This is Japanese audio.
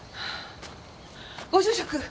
ご住職！